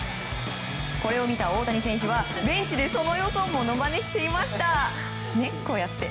これを見た大谷選手はベンチで、その様子をものまねしていました。